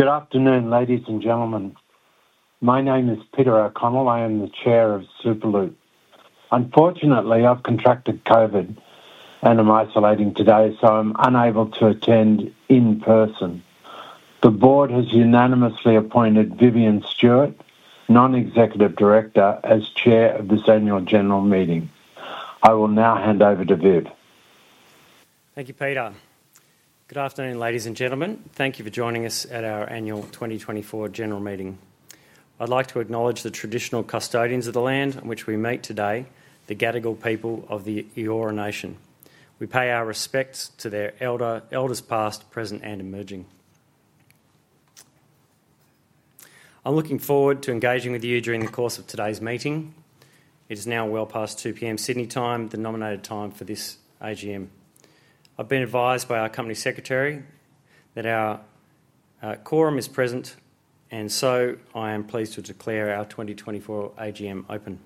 Good afternoon, ladies and gentlemen. My name is Peter O'Connell. I am the Chair of Superloop. Unfortunately, I've contracted COVID and am isolating today, so I'm unable to attend in person. The Board has unanimously appointed Vivian Stewart, Non-Executive Director, as Chair of this Annual General Meeting. I will now hand over to Viv. Thank you, Peter. Good afternoon, ladies and gentlemen. Thank you for joining us at our Annual 2024 General Meeting. I'd like to acknowledge the traditional custodians of the land on which we meet today, the Gadigal people of the Eora Nation. We pay our respects to their elders, past, present, and emerging. I'm looking forward to engaging with you during the course of today's meeting. It is now well past 2:00 P.M. Sydney time, the nominated time for this AGM. I've been advised by our Company Secretary that our quorum is present, and so I am pleased to declare our 2024 AGM open.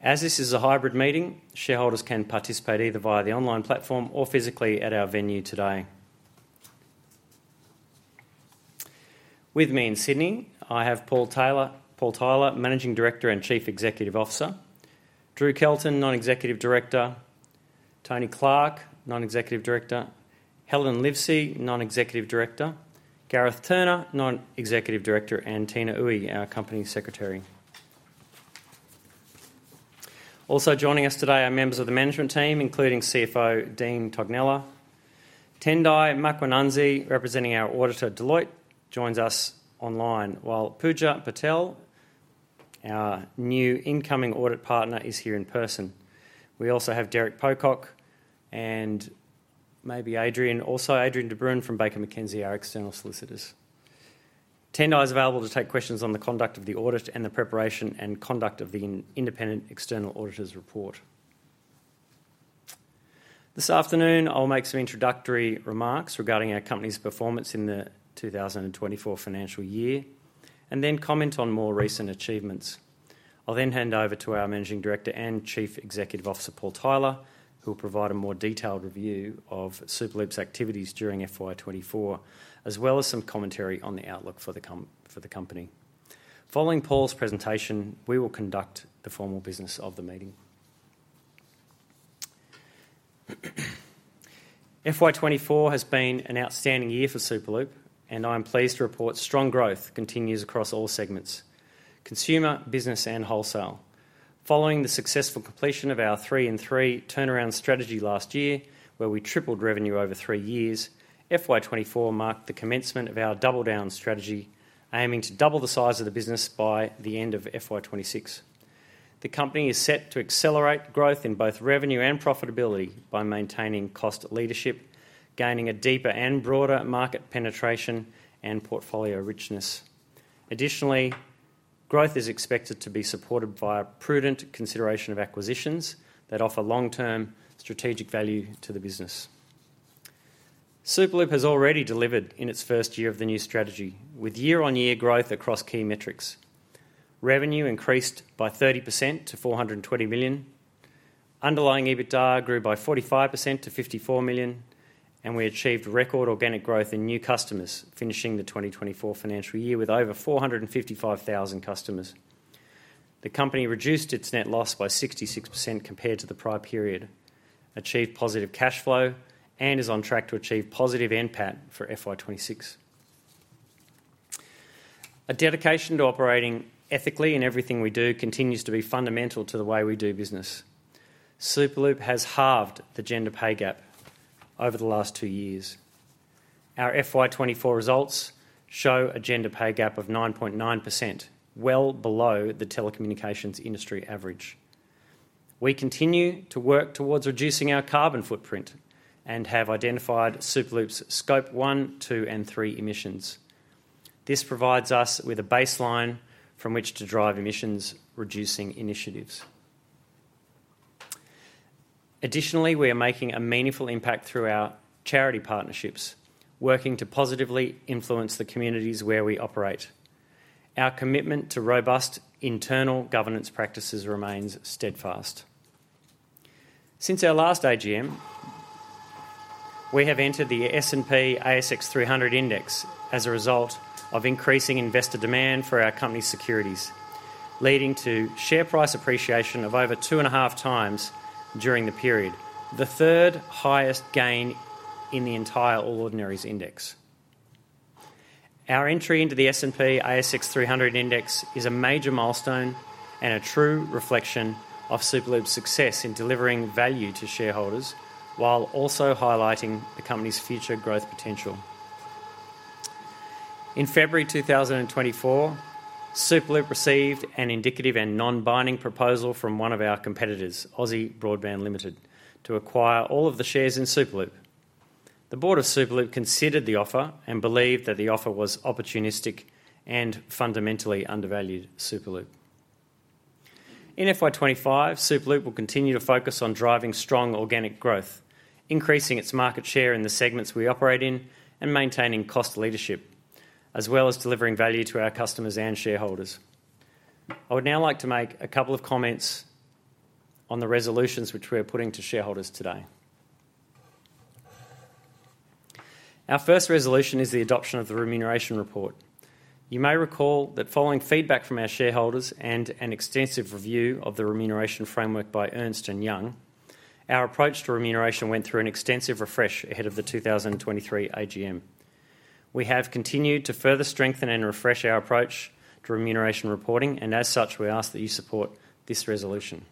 As this is a hybrid meeting, shareholders can participate either via the online platform or physically at our venue today. With me in Sydney, I have Paul Tyler, Managing Director and Chief Executive Officer, Drew Kelton, Non-Executive Director, Tony Clark, Non-Executive Director, Helen Livesey, Non-Executive Director, Gareth Turner, Non-Executive Director, and Tina Ooi, our Company Secretary. Also joining us today are members of the Management Team, including CFO Dean Tognella. Tendai Mkwananzi, representing our auditor Deloitte, joins us online, while Pooja Patel, our new incoming audit partner, is here in person. We also have Derek Pocock and maybe Adrian, also Adrienne de Bruyn from Baker McKenzie, our external solicitors. Tendai is available to take questions on the conduct of the audit and the preparation and conduct of the Independent External Auditor's Report. This afternoon, I'll make some introductory remarks regarding our Company's performance in the 2024 financial year and then comment on more recent achievements. I'll then hand over to our Managing Director and Chief Executive Officer, Paul Tyler, who will provide a more detailed review of Superloop's activities during FY 2024, as well as some commentary on the outlook for the Company. Following Paul's presentation, we will conduct the formal business of the meeting. FY 2024 has been an outstanding year for Superloop, and I am pleased to report strong growth continues across all segments: consumer, business, and wholesale. Following the successful completion of our three-in-three turnaround strategy last year, where we tripled revenue over three years, FY 2024 marked the commencement of our double-down strategy, aiming to double the size of the business by the end of FY 2026. The Company is set to accelerate growth in both revenue and profitability by maintaining cost leadership, gaining a deeper and broader market penetration, and portfolio richness. Additionally, growth is expected to be supported by a prudent consideration of acquisitions that offer long-term strategic value to the business. Superloop has already delivered in its first year of the new strategy, with year-on-year growth across key metrics. Revenue increased by 30% to 420 million. Underlying EBITDA grew by 45% to 54 million, and we achieved record organic growth in new customers, finishing the 2024 financial year with over 455,000 customers. The Company reduced its net loss by 66% compared to the prior period, achieved positive cash flow, and is on track to achieve positive EBITDA for FY 2026. A dedication to operating ethically in everything we do continues to be fundamental to the way we do business. Superloop has halved the gender pay gap over the last two years. Our FY 2024 results show a gender pay gap of 9.9%, well below the telecommunications industry average. We continue to work towards reducing our carbon footprint and have identified Superloop's Scope 1, 2, and 3 emissions. This provides us with a baseline from which to drive emissions-reducing initiatives. Additionally, we are making a meaningful impact through our charity partnerships, working to positively influence the communities where we operate. Our commitment to robust internal governance practices remains steadfast. Since our last AGM, we have entered the S&P/ASX 300 index as a result of increasing investor demand for our Company's securities, leading to share price appreciation of over two and a half times during the period, the 3rd highest gain in the entire All Ordinaries Index. Our entry into the S&P/ASX 300 index is a major milestone and a true reflection of Superloop's success in delivering value to shareholders, while also highlighting the Company's future growth potential. In February 2024, Superloop received an indicative and non-binding proposal from one of our competitors, Aussie Broadband Limited, to acquire all of the shares in Superloop. The Board of Superloop considered the offer and believed that the offer was opportunistic and fundamentally undervalued Superloop. In FY 2025, Superloop will continue to focus on driving strong organic growth, increasing its market share in the segments we operate in, and maintaining cost leadership, as well as delivering value to our customers and shareholders. I would now like to make a couple of comments on the resolutions which we are putting to shareholders today. Our first resolution is the adoption of the remuneration report. You may recall that following feedback from our shareholders and an extensive review of the remuneration framework by Ernst & Young, our approach to remuneration went through an extensive refresh ahead of the 2023 AGM. We have continued to further strengthen and refresh our approach to remuneration reporting, and as such, we ask that you support this resolution.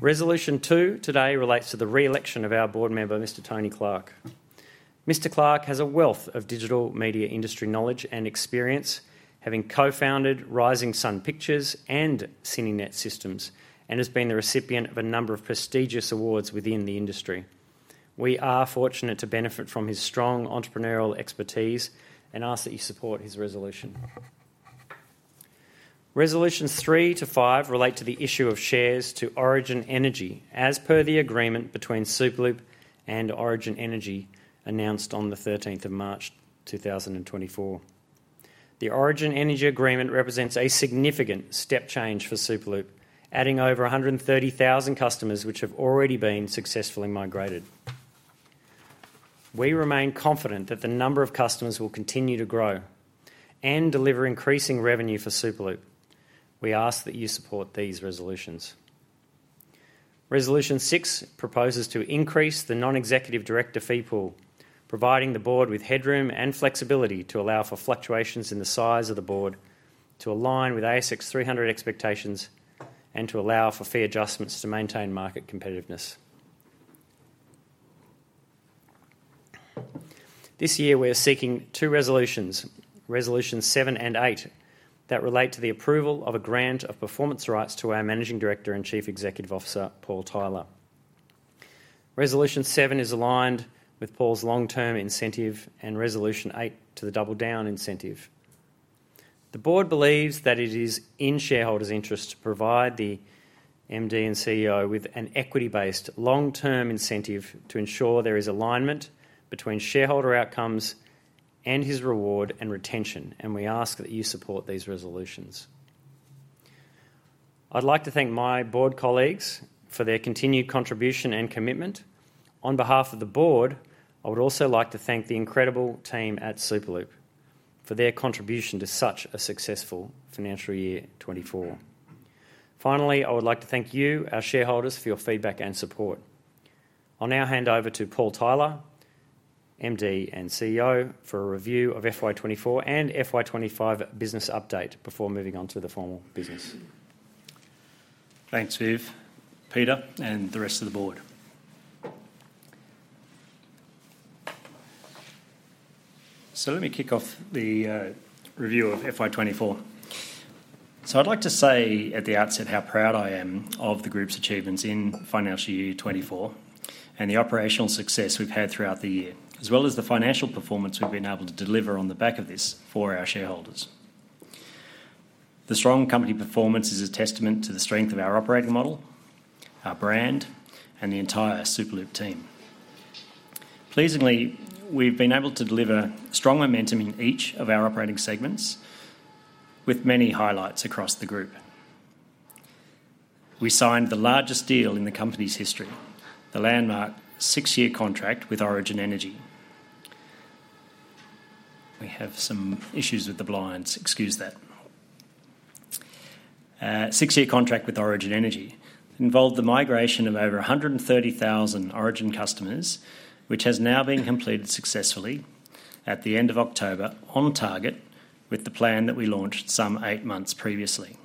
Resolution 2 today relates to the re-election of our Board member, Mr. Tony Clark. Mr. Clark has a wealth of digital media industry knowledge and experience, having co-founded Rising Sun Pictures and Cinenet Systems, and has been the recipient of a number of prestigious awards within the industry. We are fortunate to benefit from his strong entrepreneurial expertise and ask that you support his resolution. Resolutions 3 to 5 relate to the issue of shares to Origin Energy, as per the agreement between Superloop and Origin Energy announced on the 13th of March, 2024. The Origin Energy agreement represents a significant step change for Superloop, adding over 130,000 customers which have already been successfully migrated. We remain confident that the number of customers will continue to grow and deliver increasing revenue for Superloop. We ask that you support these resolutions. Resolution 6 proposes to increase the Non-Executive Director fee pool, providing the Board with headroom and flexibility to allow for fluctuations in the size of the Board, to align with ASX 300 expectations, and to allow for fee adjustments to maintain market competitiveness. This year, we are seeking two resolutions, Resolutions 7 and 8, that relate to the approval of a grant of performance rights to our Managing Director and Chief Executive Officer, Paul Tyler. Resolution 7 is aligned with Paul's long-term incentive and Resolution 8 to the double-down incentive. The Board believes that it is in shareholders' interest to provide the MD and CEO with an equity-based long-term incentive to ensure there is alignment between shareholder outcomes and his reward and retention, and we ask that you support these resolutions. I'd like to thank my Board colleagues for their continued contribution and commitment. On behalf of the Board, I would also like to thank the incredible team at Superloop for their contribution to such a successful financial year 2024. Finally, I would like to thank you, our shareholders, for your feedback and support. I'll now hand over to Paul Tyler, MD and CEO, for a review of FY 2024 and FY 2025 business update before moving on to the formal business. Thanks, Viv, Peter, and the rest of the Board. So let me kick off the review of FY 2024. So I'd like to say at the outset how proud I am of the Group's achievements in financial year 2024 and the operational success we've had throughout the year, as well as the financial performance we've been able to deliver on the back of this for our shareholders. The strong Company performance is a testament to the strength of our operating model, our brand, and the entire Superloop team. Pleasingly, we've been able to deliver strong momentum in each of our operating segments, with many highlights across the Group. We signed the largest deal in the Company's history, the landmark six-year contract with Origin Energy. We have some issues with the blinds. Excuse that. Six-year contract with Origin Energy involved the migration of over 130,000 Origin customers, which has now been completed successfully at the end of October on target with the plan that we launched some eight months previously.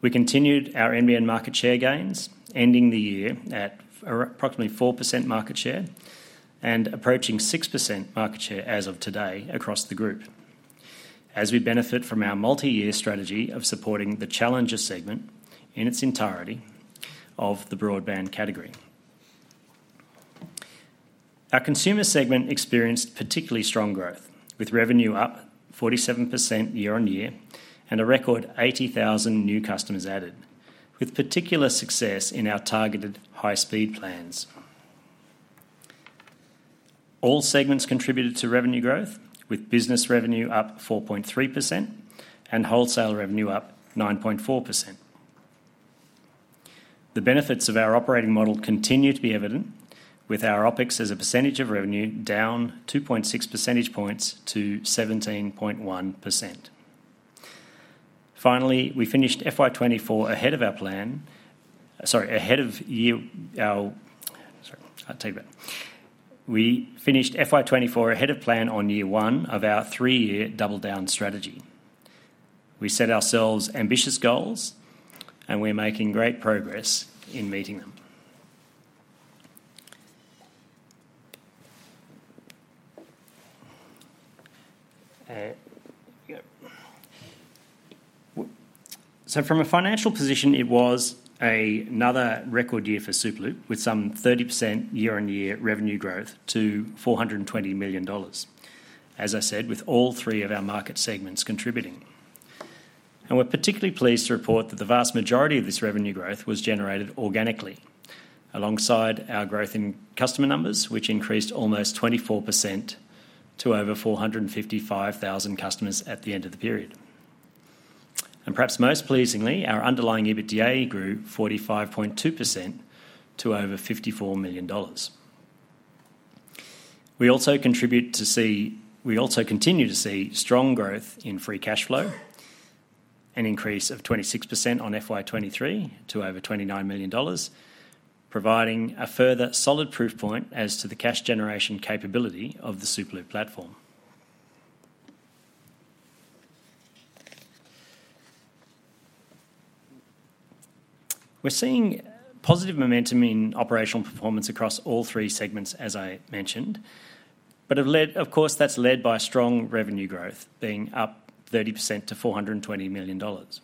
We continued our NBN market share gains, ending the year at approximately 4% market share and approaching 6% market share as of today across the Group, as we benefit from our multi-year strategy of supporting the challenger segment in its entirety of the broadband category. Our consumer segment experienced particularly strong growth, with revenue up 47% year on year and a record 80,000 new customers added, with particular success in our targeted high-speed plans. All segments contributed to revenue growth, with business revenue up 4.3% and wholesale revenue up 9.4%. The benefits of our operating model continue to be evident, with our OpEx as a percentage of revenue down 2.6 percentage points to 17.1%. Finally, we finished FY 2024 ahead of plan on year one of our three-year double-down strategy. We set ourselves ambitious goals, and we're making great progress in meeting them, so from a financial position, it was another record year for Superloop, with some 30% year-on-year revenue growth to 420 million dollars, as I said, with all three of our market segments contributing, and we're particularly pleased to report that the vast majority of this revenue growth was generated organically, alongside our growth in customer numbers, which increased almost 24% to over 455,000 customers at the end of the period, and perhaps most pleasingly, our underlying EBITDA grew 45.2% to over 54 million dollars. We also continue to see strong growth in free cash flow, an increase of 26% on FY 2023 to over AUD 29 million, providing a further solid proof point as to the cash generation capability of the Superloop platform. We're seeing positive momentum in operational performance across all three segments, as I mentioned, but of course, that's led by strong revenue growth, being up 30% to 420 million dollars.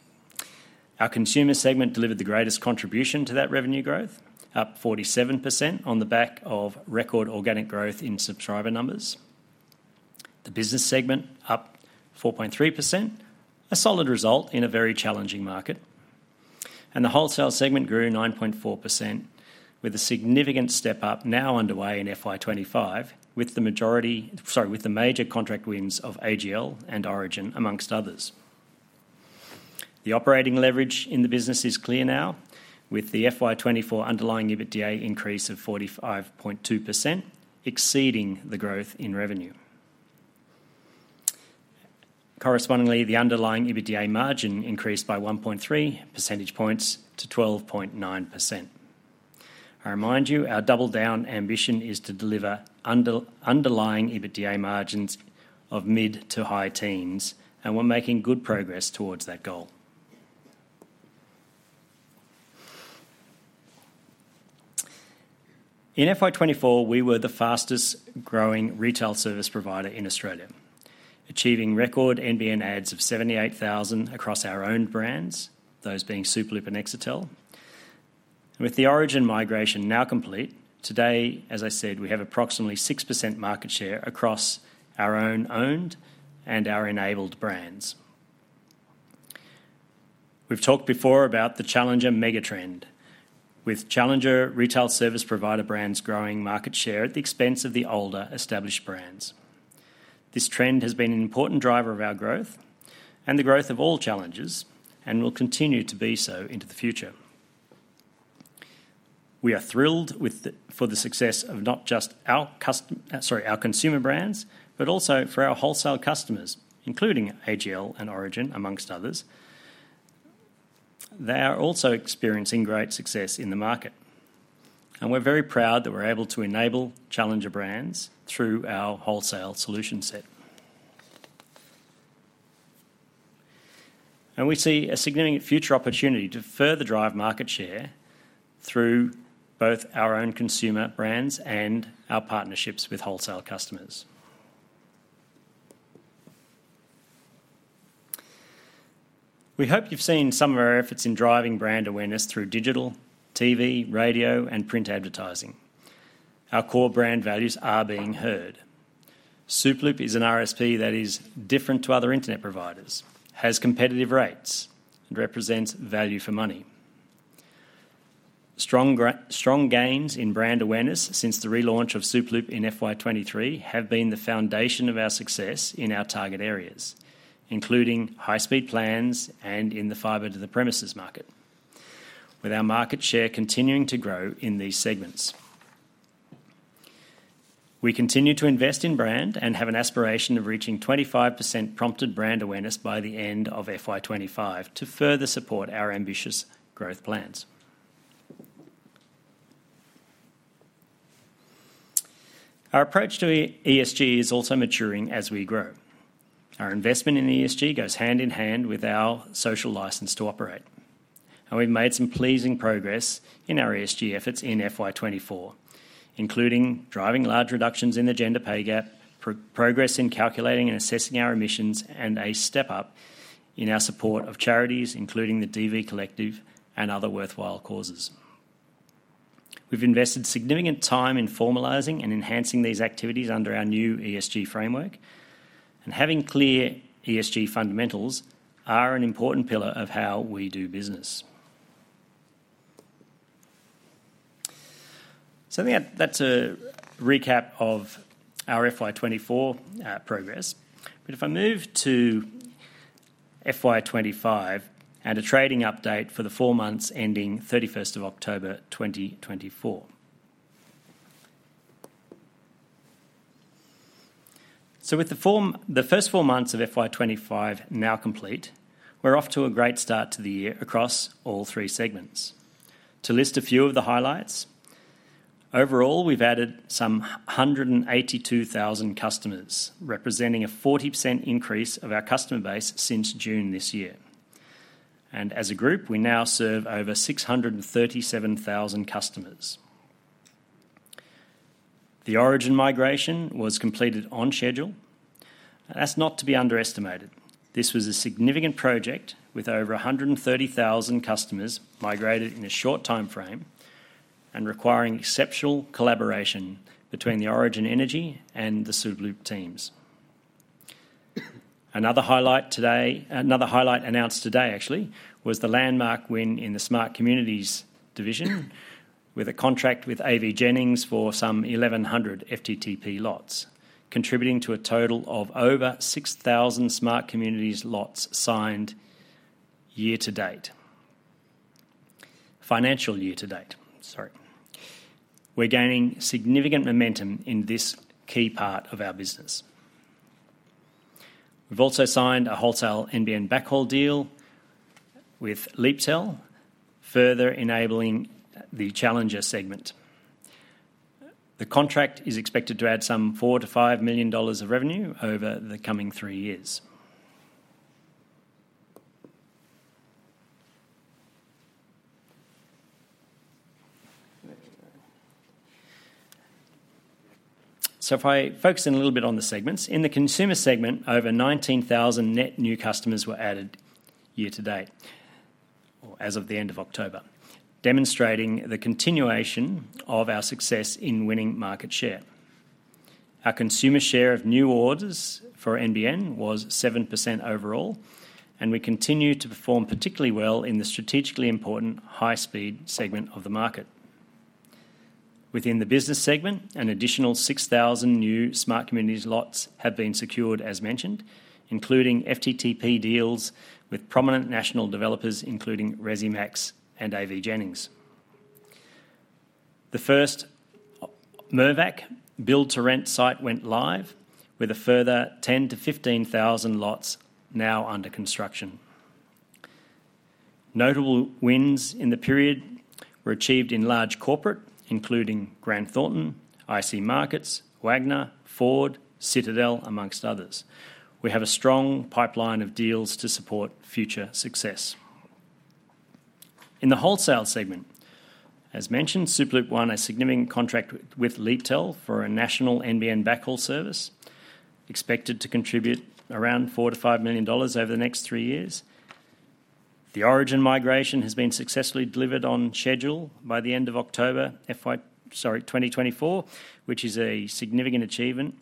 Our consumer segment delivered the greatest contribution to that revenue growth, up 47% on the back of record organic growth in subscriber numbers. The business segment up 4.3%, a solid result in a very challenging market. And the wholesale segment grew 9.4%, with a significant step up now underway in FY 2025, with the majority sorry, with the major contract wins of AGL and Origin, among others. The operating leverage in the business is clear now, with the FY 2024 underlying EBITDA increase of 45.2%, exceeding the growth in revenue. Correspondingly, the underlying EBITDA margin increased by 1.3 percentage points to 12.9%. I remind you, our double-down ambition is to deliver underlying EBITDA margins of mid to high teens, and we're making good progress towards that goal. In FY 2024, we were the fastest-growing retail service provider in Australia, achieving record NBN adds of 78,000 across our owned brands, those being Superloop and Exetel. With the Origin migration now complete, today, as I said, we have approximately 6% market share across our owned and our enabled brands. We've talked before about the challenger megatrend, with challenger retail service provider brands growing market share at the expense of the older established brands. This trend has been an important driver of our growth and the growth of all challengers and will continue to be so into the future. We are thrilled for the success of not just our consumer brands, but also for our wholesale customers, including AGL and Origin, among others. They are also experiencing great success in the market, and we're very proud that we're able to enable challenger brands through our wholesale solution set, and we see a significant future opportunity to further drive market share through both our own consumer brands and our partnerships with wholesale customers. We hope you've seen some of our efforts in driving brand awareness through digital, TV, radio, and print advertising. Our core brand values are being heard. Superloop is an RSP that is different to other internet providers, has competitive rates, and represents value for money. Strong gains in brand awareness since the relaunch of Superloop in FY 2023 have been the foundation of our success in our target areas, including high-speed plans and in the fiber-to-the-premises market, with our market share continuing to grow in these segments. We continue to invest in brand and have an aspiration of reaching 25% prompted brand awareness by the end of FY 2025 to further support our ambitious growth plans. Our approach to ESG is also maturing as we grow. Our investment in ESG goes hand in hand with our social license to operate, and we've made some pleasing progress in our ESG efforts in FY 2024, including driving large reductions in the gender pay gap, progress in calculating and assessing our emissions, and a step up in our support of charities, including the DV Collective and other worthwhile causes. We've invested significant time in formalising and enhancing these activities under our new ESG framework, and having clear ESG fundamentals are an important pillar of how we do business. So that's a recap of our FY 2024 progress, but if I move to FY 2025 and a trading update for the four months ending 31st of October, 2024. So with the first four months of FY 2025 now complete, we're off to a great start to the year across all three segments. To list a few of the highlights, overall, we've added some 182,000 customers, representing a 40% increase of our customer base since June this year. And as a Group, we now serve over 637,000 customers. The Origin migration was completed on schedule. That's not to be underestimated. This was a significant project with over 130,000 customers migrated in a short timeframe and requiring exceptional collaboration between the Origin Energy and the Superloop teams. Another highlight announced today, actually, was the landmark win in the Smart Communities division with a contract with AVJennings for some 1,100 FTTP lots, contributing to a total of over 6,000 Smart Communities lots signed year to date. Financial year to date, sorry. We're gaining significant momentum in this key part of our business. We've also signed a wholesale NBN backhaul deal with Leaptel, further enabling the challenger segment. The contract is expected to add some 4 million-5 million dollars of revenue over the coming three years. So if I focus in a little bit on the segments, in the consumer segment, over 19,000 net new customers were added year to date, or as of the end of October, demonstrating the continuation of our success in winning market share. Our consumer share of new orders for NBN was 7% overall, and we continue to perform particularly well in the strategically important high-speed segment of the market. Within the business segment, an additional 6,000 new Smart Communities lots have been secured, as mentioned, including FTTP deals with prominent national developers, including Resimax and AVJennings. The first Mirvac build-to-rent site went live with a further 10-15,000 lots now under construction. Notable wins in the period were achieved in large corporate, including Grant Thornton, IC Markets, Wagners, Ford, Citadel, among others. We have a strong pipeline of deals to support future success. In the wholesale segment, as mentioned, Superloop won a significant contract with Leaptel for a national NBN backhaul service, expected to contribute around 4-5 million dollars over the next three years. The Origin migration has been successfully delivered on schedule by the end of October, sorry, 2024, which is a significant achievement.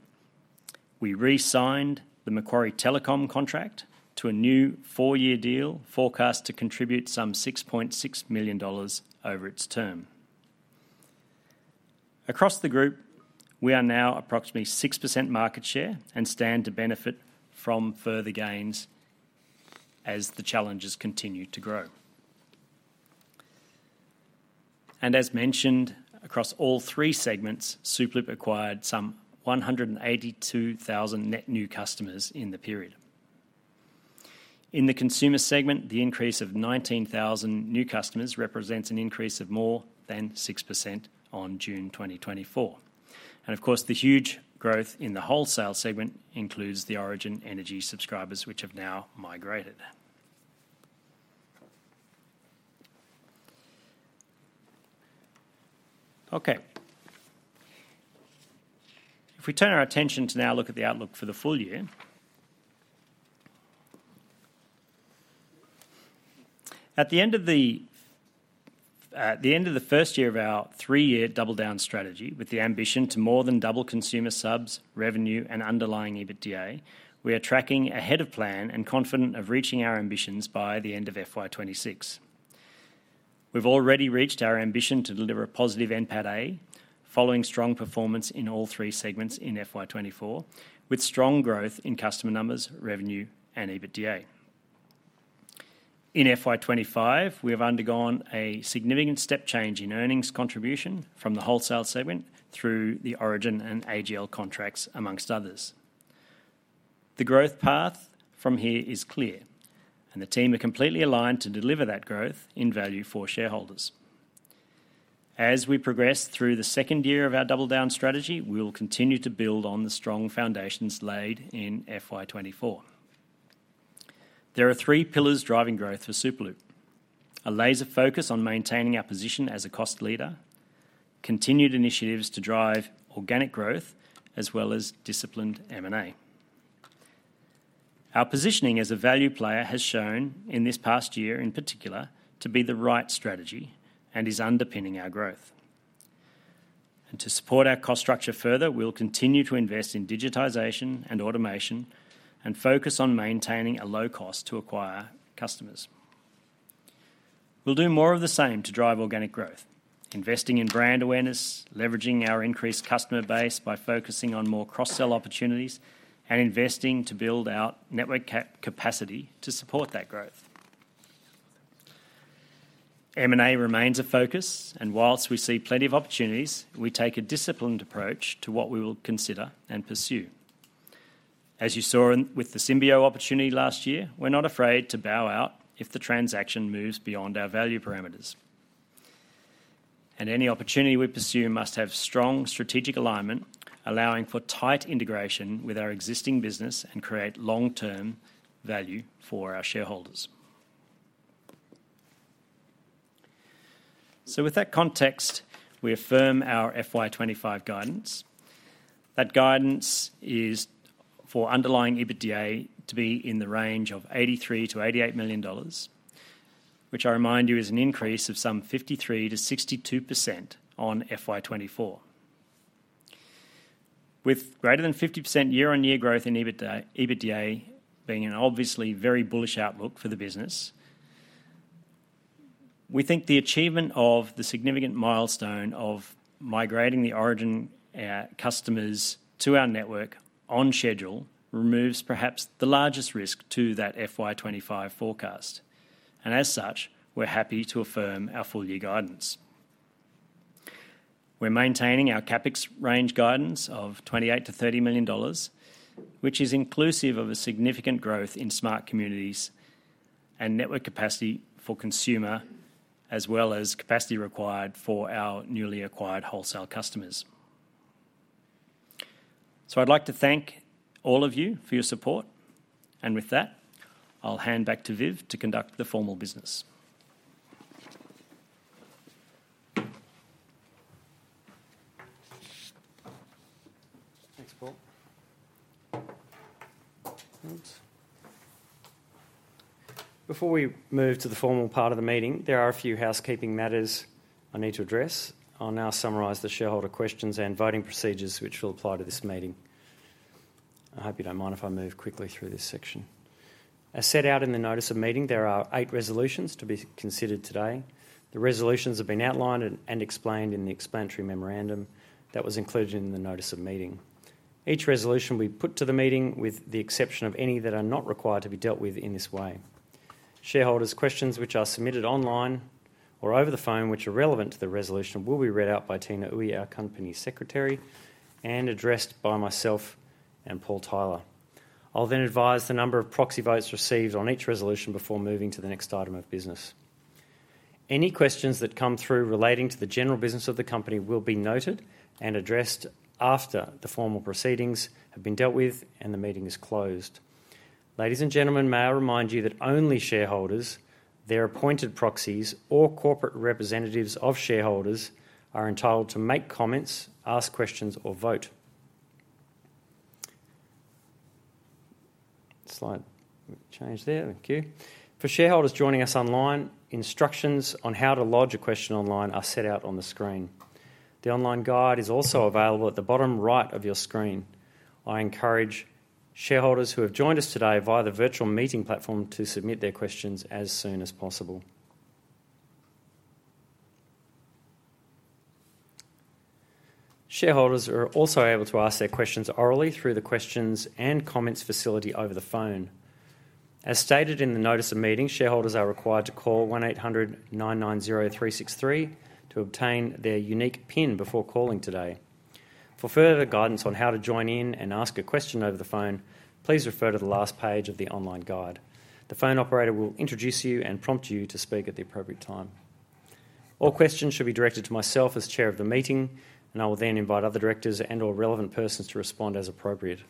We re-signed the Macquarie Telecom contract to a new four-year deal, forecast to contribute some 6.6 million dollars over its term. Across the Group, we are now approximately 6% market share and stand to benefit from further gains as the challenges continue to grow. And as mentioned, across all three segments, Superloop acquired some 182,000 net new customers in the period. In the consumer segment, the increase of 19,000 new customers represents an increase of more than 6% on June 2024. And of course, the huge growth in the wholesale segment includes the Origin Energy subscribers, which have now migrated. Okay. If we turn our attention to now look at the outlook for the full year, at the end of the first year of our three-year double-down strategy, with the ambition to more than double consumer subs revenue and underlying EBITDA, we are tracking ahead of plan and confident of reaching our ambitions by the end of FY 2026. We've already reached our ambition to deliver a positive NPAT-A, following strong performance in all three segments in FY 2024, with strong growth in customer numbers, revenue, and EBITDA. In FY 2025, we have undergone a significant step change in earnings contribution from the wholesale segment through the Origin and AGL contracts, among others. The growth path from here is clear, and the team are completely aligned to deliver that growth in value for shareholders. As we progress through the second year of our double-down strategy, we will continue to build on the strong foundations laid in FY 2024. There are three pillars driving growth for Superloop: a laser focus on maintaining our position as a cost leader, continued initiatives to drive organic growth, as well as disciplined M&A. Our positioning as a value player has shown in this past year, in particular, to be the right strategy and is underpinning our growth. And to support our cost structure further, we'll continue to invest in digitization and automation and focus on maintaining a low cost to acquire customers. We'll do more of the same to drive organic growth, investing in brand awareness, leveraging our increased customer base by focusing on more cross-sell opportunities, and investing to build out network capacity to support that growth. M&A remains a focus, and while we see plenty of opportunities, we take a disciplined approach to what we will consider and pursue. As you saw with the Symbio opportunity last year, we're not afraid to bow out if the transaction moves beyond our value parameters, and any opportunity we pursue must have strong strategic alignment, allowing for tight integration with our existing business and create long-term value for our shareholders, so with that context, we affirm our FY 2025 guidance. That guidance is for underlying EBITDA to be in the range of $83-$88 million, which I remind you is an increase of some 53%-62% on FY 2024. With greater than 50% year-over-year growth in EBITDA being an obviously very bullish outlook for the business, we think the achievement of the significant milestone of migrating the Origin customers to our network on schedule removes perhaps the largest risk to that FY 2025 forecast. And as such, we're happy to affirm our full-year guidance. We're maintaining our CapEx range guidance of 28-30 million dollars, which is inclusive of a significant growth in Smart Communities and network capacity for consumer, as well as capacity required for our newly acquired wholesale customers. So I'd like to thank all of you for your support, and with that, I'll hand back to Viv to conduct the formal business. Thanks, Paul. Before we move to the formal part of the meeting, there are a few housekeeping matters I need to address. I'll now summarize the shareholder questions and voting procedures, which will apply to this meeting. I hope you don't mind if I move quickly through this section. As set out in the notice of meeting, there are eight resolutions to be considered today. The resolutions have been outlined and explained in the explanatory memorandum that was included in the notice of meeting. Each resolution we put to the meeting, with the exception of any that are not required to be dealt with in this way. Shareholders' questions, which are submitted online or over the phone, which are relevant to the resolution, will be read out by Tina Ooi, our Company Secretary, and addressed by myself and Paul Tyler. I'll then advise the number of proxy votes received on each resolution before moving to the next item of business. Any questions that come through relating to the general business of the company will be noted and addressed after the formal proceedings have been dealt with and the meeting is closed. Ladies and gentlemen, may I remind you that only shareholders, their appointed proxies, or corporate representatives of shareholders are entitled to make comments, ask questions, or vote. Slide change there. Thank you. For shareholders joining us online, instructions on how to lodge a question online are set out on the screen. The online guide is also available at the bottom right of your screen. I encourage shareholders who have joined us today via the virtual meeting platform to submit their questions as soon as possible. Shareholders are also able to ask their questions orally through the questions and comments facility over the phone. As stated in the notice of meeting, shareholders are required to call 1-800-990-363 to obtain their unique PIN before calling today. For further guidance on how to join in and ask a question over the phone, please refer to the last page of the online guide. The phone operator will introduce you and prompt you to speak at the appropriate time. All questions should be directed to myself as Chair of the meeting, and I will then invite other directors and/or relevant persons to respond as appropriate.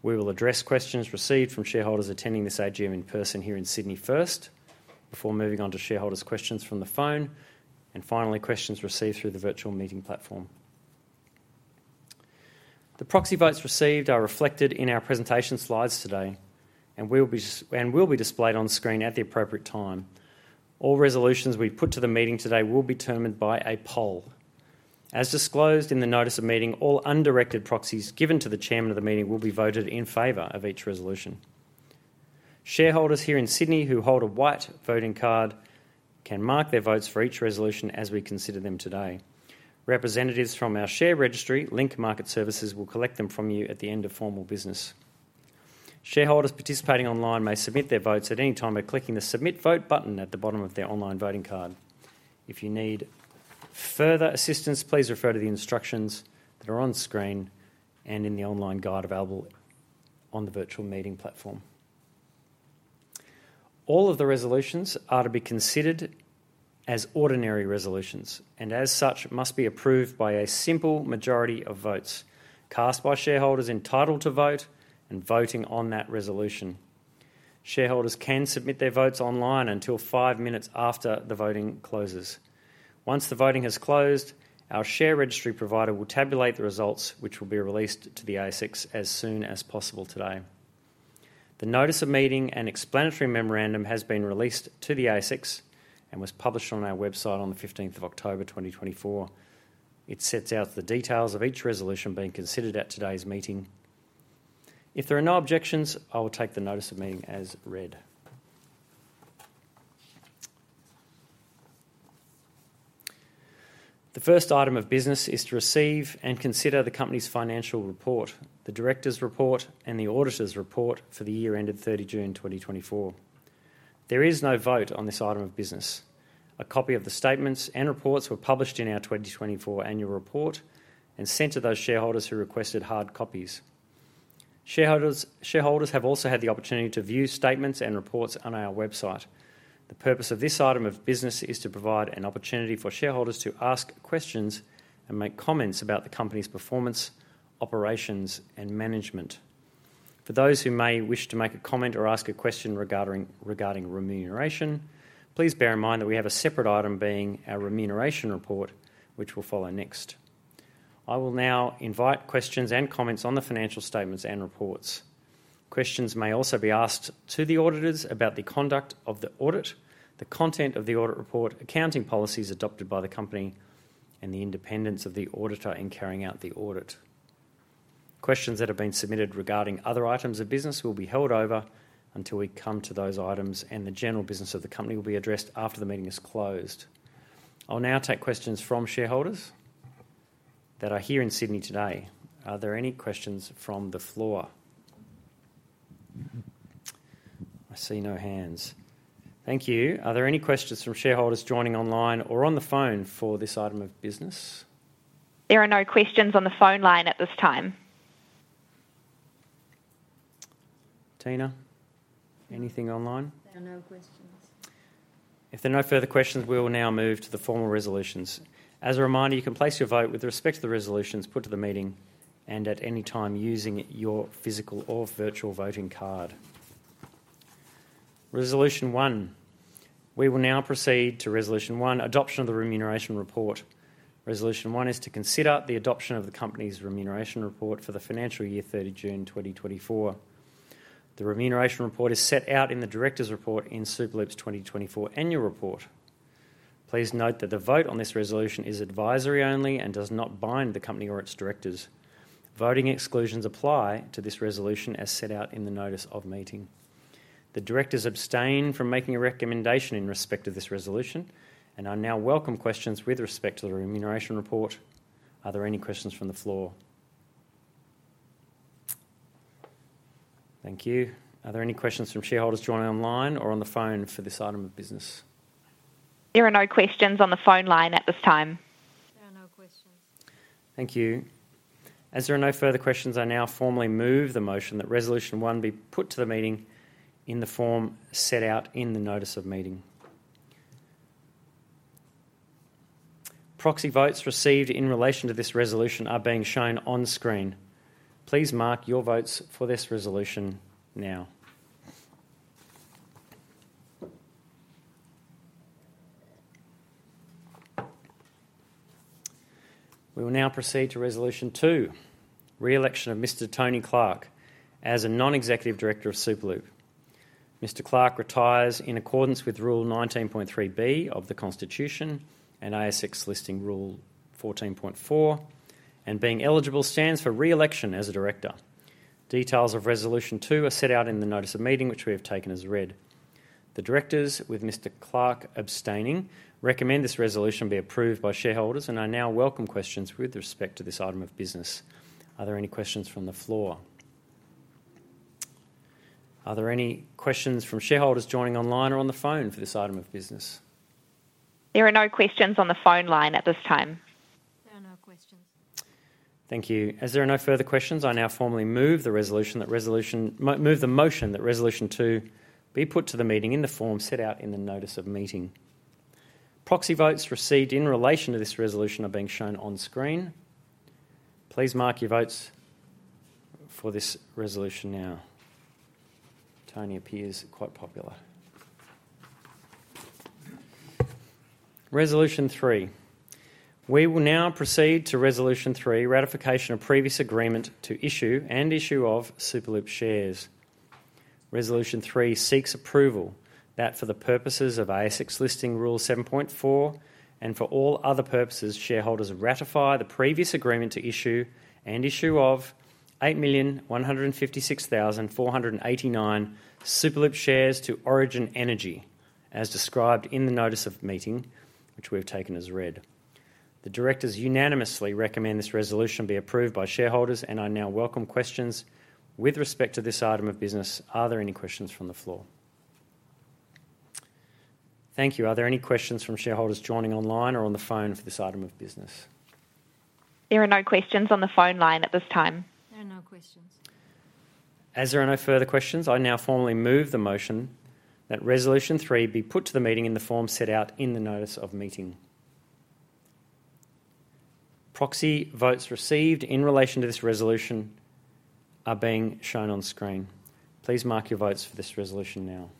We will address questions received from shareholders attending this AGM in person here in Sydney first, before moving on to shareholders' questions from the phone, and finally, questions received through the virtual meeting platform. The proxy votes received are reflected in our presentation slides today and will be displayed on screen at the appropriate time. All resolutions we put to the meeting today will be determined by a poll. As disclosed in the notice of meeting, all undirected proxies given to the chairman of the meeting will be voted in favor of each resolution. Shareholders here in Sydney who hold a white voting card can mark their votes for each resolution as we consider them today. Representatives from our share registry, Link Market Services, will collect them from you at the end of formal business. Shareholders participating online may submit their votes at any time by clicking the Submit Vote button at the bottom of their online voting card. If you need further assistance, please refer to the instructions that are on screen and in the online guide available on the virtual meeting platform. All of the resolutions are to be considered as ordinary resolutions, and as such, must be approved by a simple majority of votes cast by shareholders entitled to vote and voting on that resolution. Shareholders can submit their votes online until five minutes after the voting closes. Once the voting has closed, our share registry provider will tabulate the results, which will be released to the ASX as soon as possible today. The notice of meeting and explanatory memorandum has been released to the ASX and was published on our website on the 15th of October, 2024. It sets out the details of each resolution being considered at today's meeting. If there are no objections, I will take the notice of meeting as read. The first item of business is to receive and consider the company's financial report, the director's report, and the auditor's report for the year ended 30 June 2024. There is no vote on this item of business. A copy of the statements and reports were published in our 2024 annual report and sent to those shareholders who requested hard copies. Shareholders have also had the opportunity to view statements and reports on our website. The purpose of this item of business is to provide an opportunity for shareholders to ask questions and make comments about the company's performance, operations, and management. For those who may wish to make a comment or ask a question regarding remuneration, please bear in mind that we have a separate item being our remuneration report, which will follow next. I will now invite questions and comments on the financial statements and reports. Questions may also be asked to the auditors about the conduct of the audit, the content of the audit report, accounting policies adopted by the company, and the independence of the auditor in carrying out the audit. Questions that have been submitted regarding other items of business will be held over until we come to those items, and the general business of the company will be addressed after the meeting is closed. I'll now take questions from shareholders that are here in Sydney today. Are there any questions from the floor? I see no hands. Thank you. Are there any questions from shareholders joining online or on the phone for this item of business? There are no questions on the phone line at this time. Tina, anything online? There are no questions. If there are no further questions, we will now move to the formal resolutions. As a reminder, you can place your vote with respect to the resolutions put to the meeting and at any time using your physical or virtual voting card. Resolution 1. We will now proceed to Resolution 1, Adoption of the Remuneration Report. Resolution 1 is to consider the adoption of the company's remuneration report for the financial year 30 June 2024. The remuneration report is set out in the director's report in Superloop's 2024 annual report. Please note that the vote on this resolution is advisory only and does not bind the company or its directors. Voting exclusions apply to this resolution as set out in the notice of meeting. The directors abstain from making a recommendation in respect of this resolution and we now welcome questions with respect to the remuneration report. Are there any questions from the floor? Thank you. Are there any questions from shareholders joining online or on the phone for this item of business? There are no questions on the phone line at this time. There are no questions. Thank you. As there are no further questions, I now formally move the motion that Resolution 1 be put to the meeting in the form set out in the notice of meeting. Proxy votes received in relation to this resolution are being shown on screen. Please mark your votes for this resolution now. We will now proceed to Resolution 2, Re-election of Mr. Tony Clark as a non-executive director of Superloop. Mr. Clark retires in accordance with Rule 19.3B of the Constitution and ASX's listing Rule 14.4, and being eligible stands for re-election as a director. Details of Resolution 2 are set out in the notice of meeting, which we have taken as read. The directors, with Mr. Clark abstaining, recommend this resolution be approved by shareholders and are now welcoming questions with respect to this item of business. Are there any questions from the floor? Are there any questions from shareholders joining online or on the phone for this item of business? There are no questions on the phone line at this time. There are no questions. Thank you. As there are no further questions, I now formally move the motion that Resolution 2 be put to the meeting in the form set out in the notice of meeting. Proxy votes received in relation to this resolution are being shown on screen. Please mark your votes for this resolution now. Tony appears quite popular. Resolution 3. We will now proceed to Resolution 3, Ratification of Previous Agreement to Issue and Issue of Superloop Shares. Resolution 3 seeks approval that for the purposes of ASX's listing Rule 7.4 and for all other purposes, shareholders ratify the previous agreement to issue and the issue of 8,156,489 Superloop shares to Origin Energy, as described in the notice of meeting, which we have taken as read. The directors unanimously recommend this resolution be approved by shareholders and we now welcome questions with respect to this item of business. Are there any questions from the floor? Thank you. Are there any questions from shareholders joining online or on the phone for this item of business? There are no questions on the phone line at this time. There are no questions. As there are no further questions, I now formally move the motion that Resolution 3 be put to the meeting in the form set out in the notice of meeting. Proxy votes received in relation to this resolution are being shown on screen. Please mark your votes for this resolution now.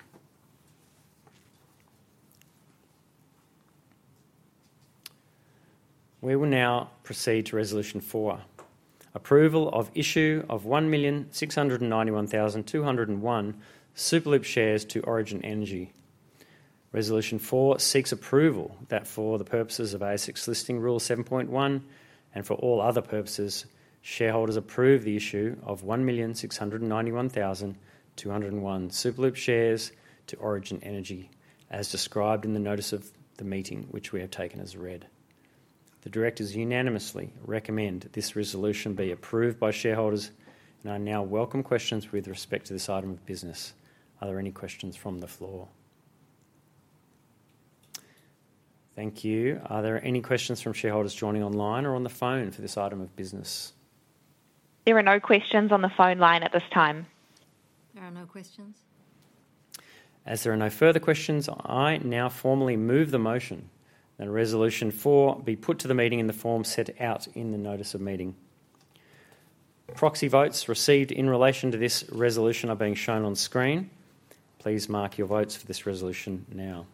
We will now proceed Resolution 4, approval of Issue of 1,691,201 Superloop Shares to Origin Resolution 4 seeks approval that for the purposes of ASX's listing Rule 7.1 and for all other purposes, shareholders approve the issue of 1,691,201 Superloop shares to Origin Energy as described in the notice of the meeting, which we have taken as read. The directors unanimously recommend this resolution be approved by shareholders and we now welcome questions with respect to this item of business. Are there any questions from the floor? Thank you. Are there any questions from shareholders joining online or on the phone for this item of business? There are no questions on the phone line at this time. There are no questions. As there are no further questions, I now formally move the motion Resolution 4 be put to the meeting in the form set out in the notice of meeting. Proxy votes received in relation to this resolution are being shown on screen. Please mark your votes for this resolution now.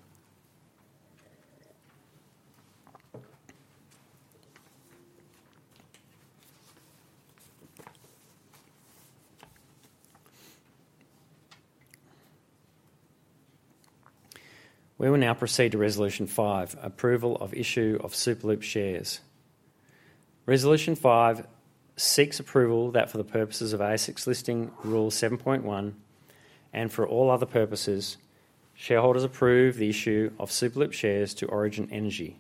We will now proceed to Resolution 5, Approval of Issue of Superloop Shares. Resolution 5 seeks approval that for the purposes of ASX's Listing Rule 7.1 and for all other purposes, shareholders approve the issue of Superloop shares to Origin Energy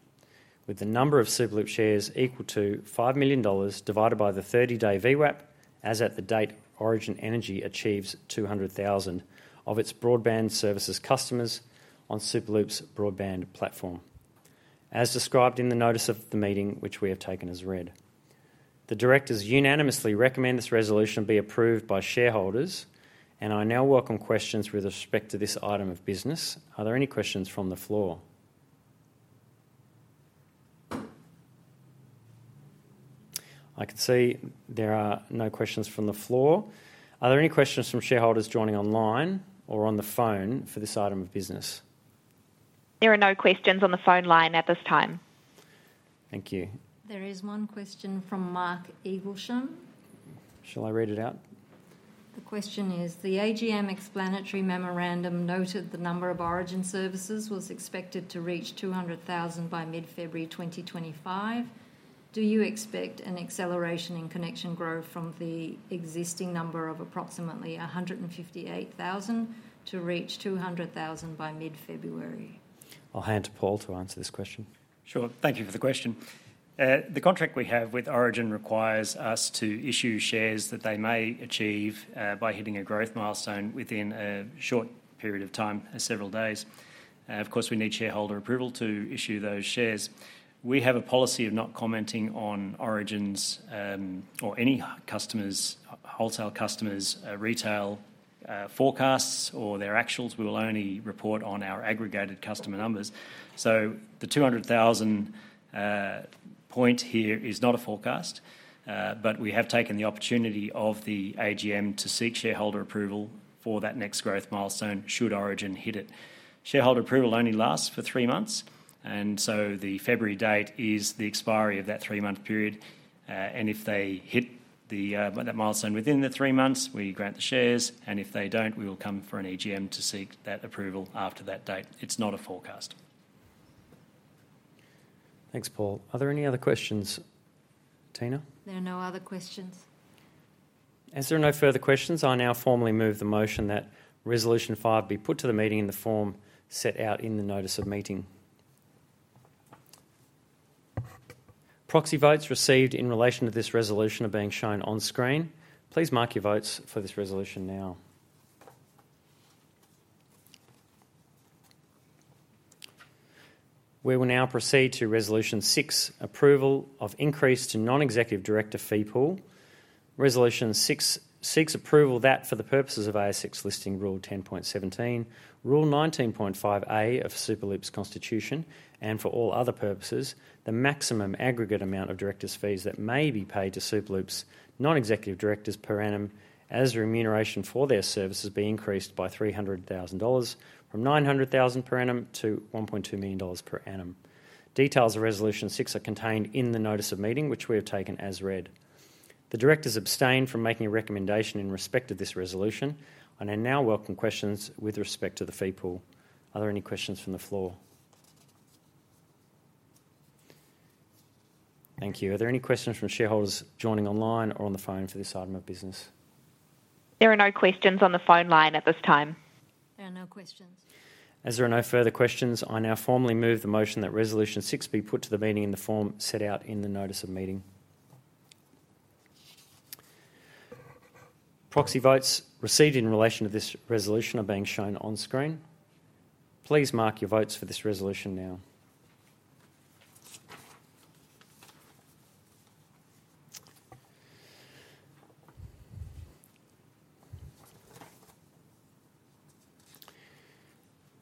with the number of Superloop shares equal to 5 million dollars divided by the 30-day VWAP as at the date Origin Energy achieves 200,000 of its broadband services customers on Superloop's broadband platform, as described in the notice of the meeting, which we have taken as read. The directors unanimously recommend this resolution be approved by shareholders and are now welcome questions with respect to this item of business. Are there any questions from the floor? I can see there are no questions from the floor. Are there any questions from shareholders joining online or on the phone for this item of business? There are no questions on the phone line at this time. Thank you. There is one question from Mark Eaglesham. Shall I read it out? The question is, the AGM explanatory memorandum noted the number of Origin services was expected to reach 200,000 by mid-February 2025. Do you expect an acceleration in connection growth from the existing number of approximately 158,000 to reach 200,000 by mid-February? I'll hand to Paul to answer this question. Sure. Thank you for the question. The contract we have with Origin requires us to issue shares that they may achieve by hitting a growth milestone within a short period of time, several days. Of course, we need shareholder approval to issue those shares. We have a policy of not commenting on Origin's or any customers, wholesale customers, retail forecasts or their actuals. We will only report on our aggregated customer numbers. So the 200,000 point here is not a forecast, but we have taken the opportunity of the AGM to seek shareholder approval for that next growth milestone should Origin hit it. Shareholder approval only lasts for three months, and so the February date is the expiry of that three-month period, and if they hit that milestone within the three months, we grant the shares, and if they don't, we will come for an AGM to seek that approval after that date. It's not a forecast. Thanks, Paul. Are there any other questions, Tina? There are no other questions. As there are no further questions, I now formally move the motion that Resolution 5 be put to the meeting in the form set out in the notice of meeting. Proxy votes received in relation to this resolution are being shown on screen. Please mark your votes for this resolution now. We will now proceed to Resolution 6, Approval of Increase to Non-Executive Director Fee Pool. Resolution 6, Approval that for the purposes of ASX's listing Rule 10.17, Rule 19.5A of Superloop's Constitution and for all other purposes, the maximum aggregate amount of directors' fees that may be paid to Superloop's non-executive directors per annum as remuneration for their services be increased by 300,000 dollars from 900,000 per annum to 1.2 million dollars per annum. Details of Resolution 6 are contained in the notice of meeting, which we have taken as read. The directors abstain from making a recommendation in respect of this resolution and we now welcome questions with respect to the fee pool. Are there any questions from the floor? Thank you. Are there any questions from shareholders joining online or on the phone for this item of business? There are no questions on the phone line at this time. There are no questions. As there are no further questions, I now formally move the motion that Resolution 6 be put to the meeting in the form set out in the notice of meeting. Proxy votes received in relation to this resolution are being shown on screen. Please mark your votes for this resolution now.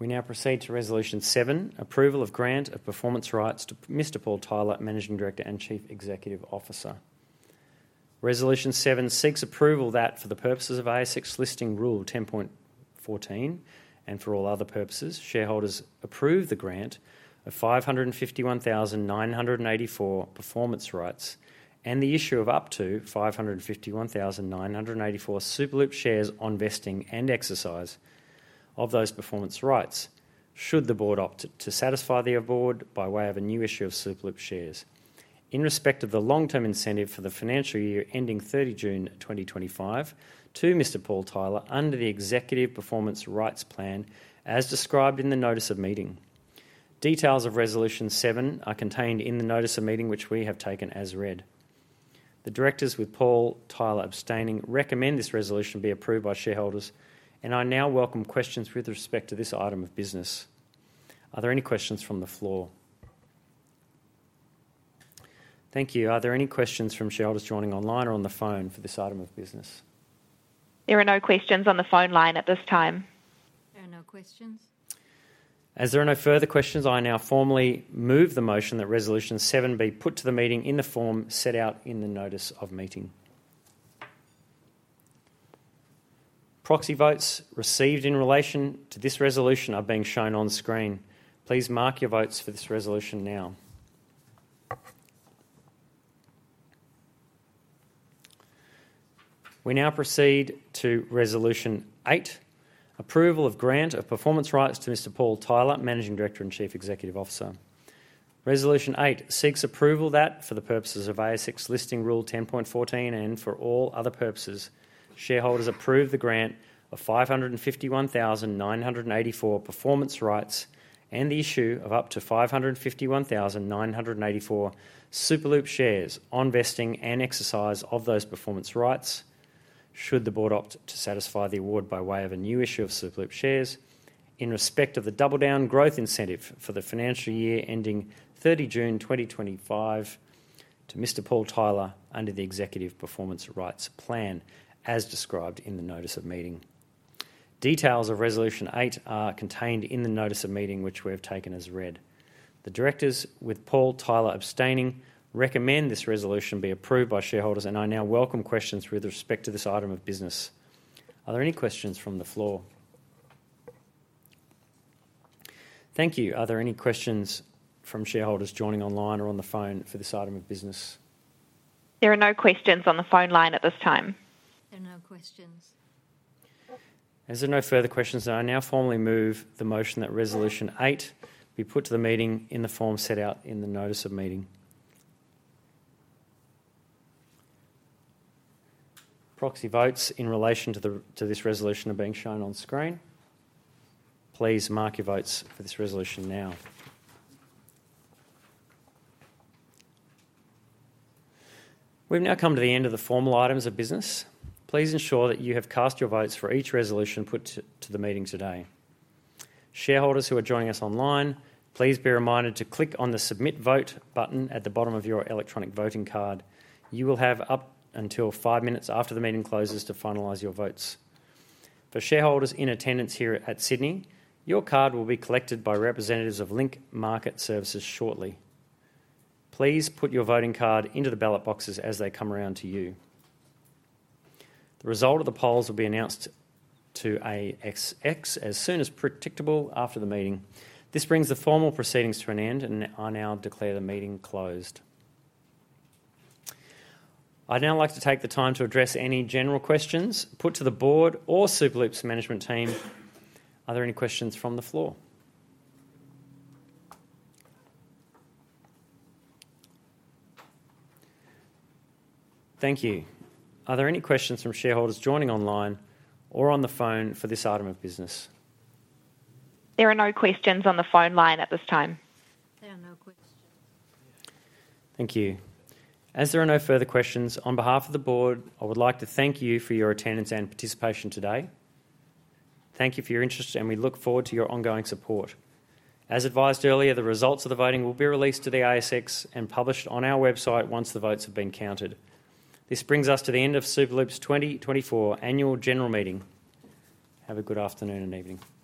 We now proceed to Resolution 7, Approval of Grant of Performance Rights to Mr. Paul Tyler, Managing Director and Chief Executive Officer. Resolution 7 seeks approval that for the purposes of ASX's listing Rule 10.14 and for all other purposes, shareholders approve the grant of 551,984 performance rights and the issue of up to 551,984 Superloop shares on vesting and exercise of those performance rights should the board opt to satisfy the award by way of a new issue of Superloop shares. In respect of the long-term incentive for the financial year ending 30 June 2025 to Mr. Paul Tyler under the executive performance rights plan as described in the notice of meeting. Details of Resolution 7 are contained in the notice of meeting, which we have taken as read. The directors, with Paul Tyler abstaining, recommend this resolution be approved by shareholders and we now welcome questions with respect to this item of business. Are there any questions from the floor? Thank you. Are there any questions from shareholders joining online or on the phone for this item of business? There are no questions on the phone line at this time. There are no questions. As there are no further questions, I now formally move the motion that Resolution 7 be put to the meeting in the form set out in the notice of meeting. Proxy votes received in relation to this resolution are being shown on screen. Please mark your votes for this resolution now. We now proceed to Resolution 8, Approval of Grant of Performance Rights to Mr. Paul Tyler, Managing Director and Chief Executive Officer. Resolution 8 seeks approval that for the purposes of ASX's Listing Rule 10.14 and for all other purposes, shareholders approve the grant of 551,984 performance rights and the issue of up to 551,984 Superloop shares on vesting and exercise of those performance rights should the board opt to satisfy the award by way of a new issue of Superloop shares in respect of the double-down growth incentive for the financial year ending 30 June 2025 to Mr. Paul Tyler under the executive performance rights plan as described in the notice of meeting. Details of Resolution 8 are contained in the notice of meeting, which we have taken as read. The directors, with Paul Tyler abstaining, recommend this resolution be approved by shareholders and now welcome questions with respect to this item of business. Are there any questions from the floor? Thank you. Are there any questions from shareholders joining online or on the phone for this item of business? There are no questions on the phone line at this time. There are no questions. As there are no further questions, I now formally move the motion that Resolution 8 be put to the meeting in the form set out in the notice of meeting. Proxy votes in relation to this resolution are being shown on screen. Please mark your votes for this resolution now. We've now come to the end of the formal items of business. Please ensure that you have cast your votes for each resolution put to the meeting today. Shareholders who are joining us online, please be reminded to click on the Submit Vote button at the bottom of your electronic voting card. You will have up until five minutes after the meeting closes to finalize your votes. For shareholders in attendance here at Sydney, your card will be collected by representatives of Link Market Services shortly. Please put your voting card into the ballot boxes as they come around to you. The result of the polls will be announced to the ASX as soon as practicable after the meeting. This brings the formal proceedings to an end and I now declare the meeting closed. I'd now like to take the time to address any general questions put to the board or Superloop's management team. Are there any questions from the floor? Thank you. Are there any questions from shareholders joining online or on the phone for this item of business? There are no questions on the phone line at this time. There are no questions. Thank you. As there are no further questions, on behalf of the board, I would like to thank you for your attendance and participation today. Thank you for your interest and we look forward to your ongoing support. As advised earlier, the results of the voting will be released to the ASX and published on our website once the votes have been counted. This brings us to the end of Superloop's 2024 Annual General Meeting. Have a good afternoon and evening.